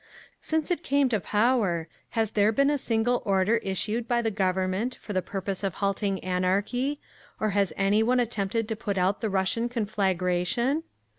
"Since it came to power, has there been a single order issued by the Government for the purpose of halting anarchy, or has any one attempted to put out the Russian conflagration?